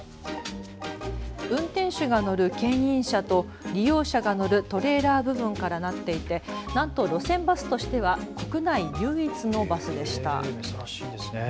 運転手が乗るけん引車と利用者が乗るトレーラー部分からなっていて、なんと路線バスとしては国内唯一のバスでした。